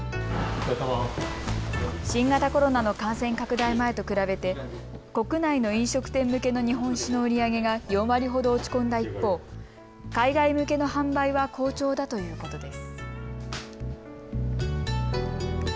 新型コロナの感染拡大前と比べて国内の飲食店向けの日本酒の売り上げが４割ほど落ち込んだ一方、海外向けの販売は好調だということです。